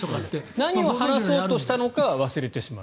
何を話そうとしたのか忘れてしまう。